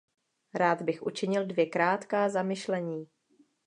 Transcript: Rád bych učinil dvě krátká zamyšlení.